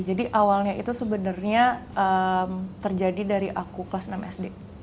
jadi awalnya itu sebenarnya terjadi dari aku kelas enam sd